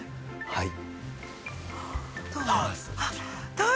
はい。